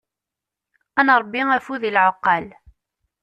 Ad nṛebbi afud i lɛeqqal.